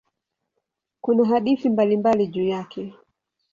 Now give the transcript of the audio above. Kuna hadithi mbalimbali juu yake.